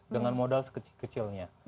dengan modal sekecil kecilnya